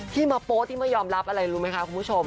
ที่มาโป๊ที่ไม่ยอมรับอะไรรู้ไหมคะคุณผู้ชม